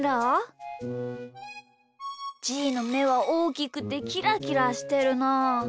じーのめはおおきくてキラキラしてるなあ。